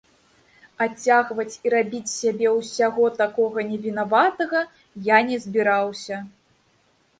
Адцягваць і рабіць з сябе ўсяго такога невінаватага я не збіраўся.